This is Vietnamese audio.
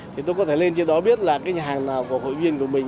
thì tôi có thể lên trên đó biết là cái nhà hàng nào của hội viên của mình